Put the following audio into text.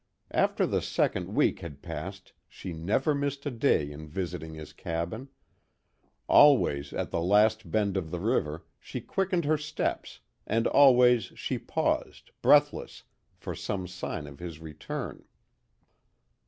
After the second week had passed she never missed a day in visiting his cabin. Always at the last bend of the river, she quickened her steps, and always she paused, breathless, for some sign of his return.